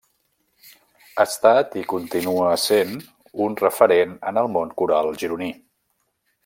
Ha estat i continua essent un referent en el món coral gironí.